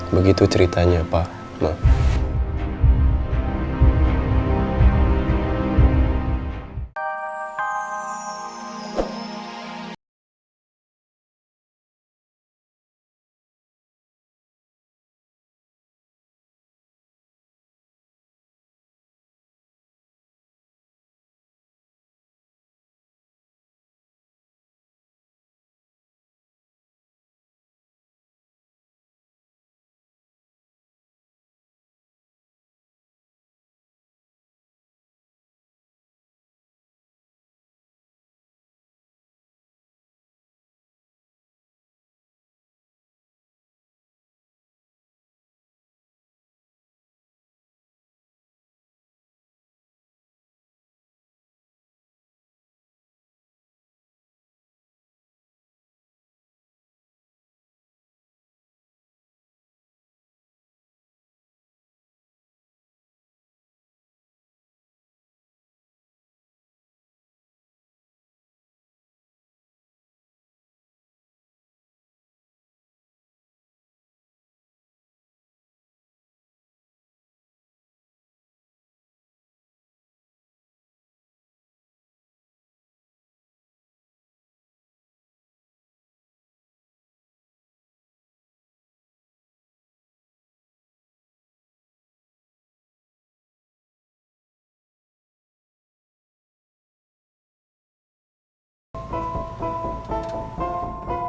begitu ceritanya pak